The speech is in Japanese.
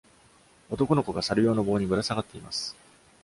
男の子がサル用の棒にぶら下がっています。